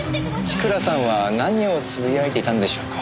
千倉さんは何をつぶやいていたんでしょうか？